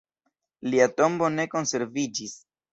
Lia tombo ne konserviĝis.